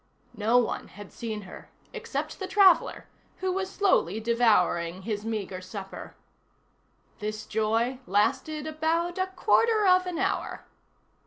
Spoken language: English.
No one had seen her, except the traveller, who was slowly devouring his meagre supper. This joy lasted about a quarter of an hour.